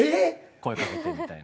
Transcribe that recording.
声かけてみたいな。